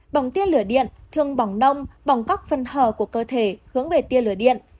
bỏng tiên lửa điện thường bỏng nông bỏng góc phân hờ của cơ thể hướng về tiên lửa điện